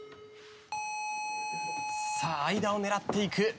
間を狙っていく。